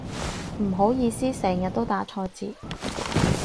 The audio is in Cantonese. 唔好意思成日都打錯字